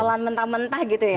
jalan mentah mentah gitu ya